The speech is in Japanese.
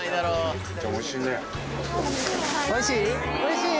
おいしい？